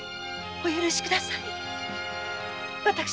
お許しください。